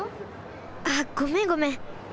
あっごめんごめん。